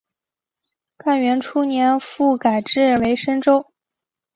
干元初年复改置为深州。